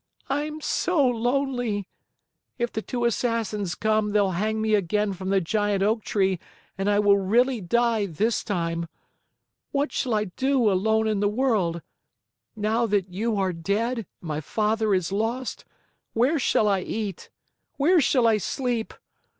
I'm so lonely. If the two Assassins come, they'll hang me again from the giant oak tree and I will really die, this time. What shall I do alone in the world? Now that you are dead and my father is lost, where shall I eat? Where shall I sleep?